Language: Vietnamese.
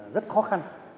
rất khó khăn